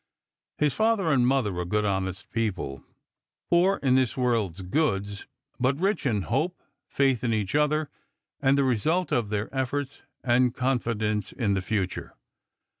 His father and mother were good honest people, poor in this world's goods, but rich in hope, faith in each other and the result of their efforts, and confidence in the future.